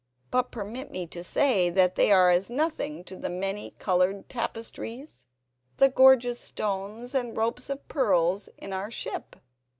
But permit me to say that they are as nothing to the many coloured tapestries, the gorgeous stones and ropes of pearls in our ship.